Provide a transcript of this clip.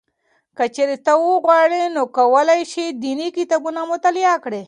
که چېرې ته وغواړې نو کولای شې دیني کتابونه مطالعه کړې.